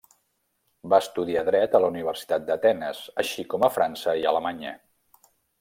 Va estudiar Dret a la Universitat d'Atenes, així com a França i Alemanya.